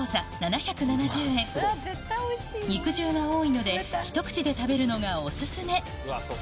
肉汁が多いので一口で食べるのがオススメ